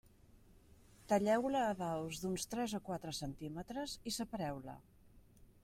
Talleu-la a daus d'uns tres o quatre centímetres i separeu-la.